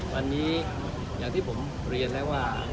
วันนี้อย่างที่ผมเรียนแล้วว่า